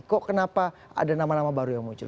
kok kenapa ada nama nama baru yang muncul